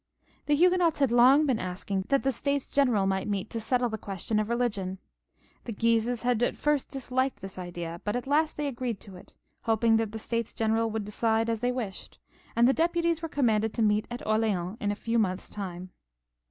The Huguenots had long been asking that the States General might meet to settle the question of religion. The Guises had at first disliked this idea, but at last they agreed to it, hoping that the States General would decide as they wished, and the deputies were commanded to meet at Orleans in a few months' time.